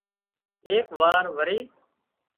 ايڪ وار وري